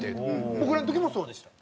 僕らの時もそうでした。